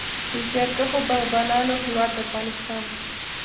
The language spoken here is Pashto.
د زیارکښو باغبانانو هیواد افغانستان.